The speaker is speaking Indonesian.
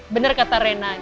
bener kata rena